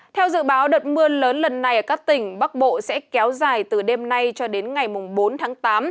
theo dự báo đợt mưa lớn lần này ở các tỉnh bắc bộ sẽ kéo dài từ đêm nay cho đến ngày bốn tháng tám